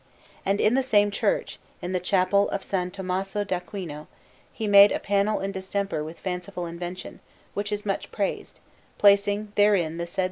And in the same church, in the Chapel of S. Tommaso d'Aquino, he made a panel in distemper with fanciful invention, which is much praised, placing therein the said S.